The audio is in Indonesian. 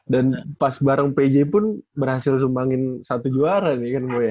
dan pas bareng pj pun berhasil sumbangin satu juara nih kan gue ya